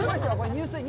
入水。